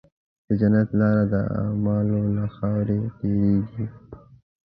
د جنت لاره د اعمالو له خاورې تېرېږي.